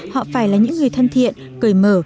họ phải là những người thân thiện cởi mở